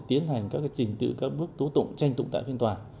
tiến hành các trình tự các bước tố tụng tranh tụng tại phiên tòa